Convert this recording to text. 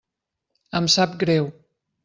Em sap greu.